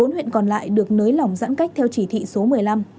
bốn huyện còn lại được nới lỏng giãn cách theo chỉ thị số một mươi năm